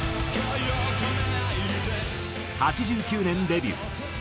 ８９年デビュー。